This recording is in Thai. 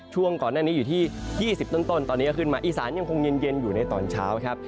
ช่วงก่อนหน้านี้อยู่ที่๒๐ต้นตอนนี้ก็ขึ้นมาอีสานยังคงเย็นอยู่ในตอนเช้าครับ